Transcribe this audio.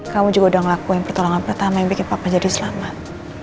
kamu juga udah ngelakuin pertolongan pertama yang bikin papa jadi selamat